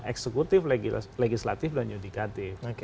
eksekutif legislatif dan yudikatif